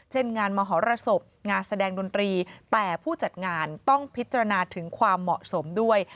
เช่นงานมหรสบงานแสดงดนตรีแต่ผู้จัดงานต้องพิจารณาถึงความเหมาะสมด้วย